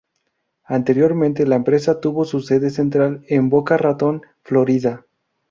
Anteriormente la empresa tuvo su sede central en Boca Raton, Florida.